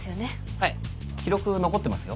はい記録残ってますよ